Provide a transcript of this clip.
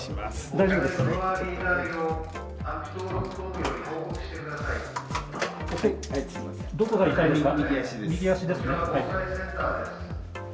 大丈夫ですか？